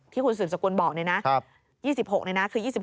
ที่คุณศูนย์สกุลบอกเลยนะ๒๖เลยนะคือ๒๖